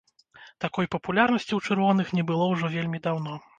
Такой папулярнасці ў чырвоных не было ўжо вельмі даўно.